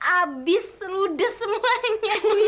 abis seludes semuanya